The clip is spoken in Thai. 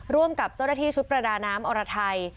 ร่วมกับเจ้าหน้าที่ชุดประดาน้ำอรไทย